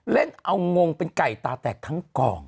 เล่นเอางงเป็นไก่ตาแตกทั้งกอง